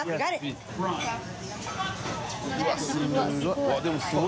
うわっすごい。